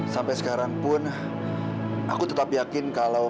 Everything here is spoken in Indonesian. sampai sekarang pun aku tetap yakin kalau